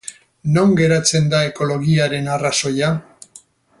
Non geratzen da ekologiaren arrazoia?